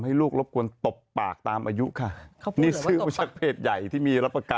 ลูกรบกวนตบปากตามอายุค่ะนี่ซื้อมาจากเพจใหญ่ที่มีรับประกาศ